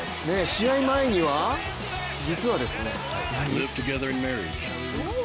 試合前には実はですね